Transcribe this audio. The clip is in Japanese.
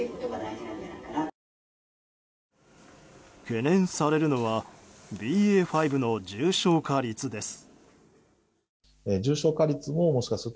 懸念されるのはＢＡ．５の重症化率です。